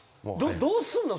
どうすんの？